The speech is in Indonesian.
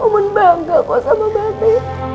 omun bangga kok sama mbak be